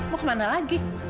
mau kemana lagi